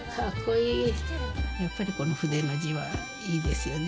やっぱりこの筆の字はいいですよね。